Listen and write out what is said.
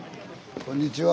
こんにちは。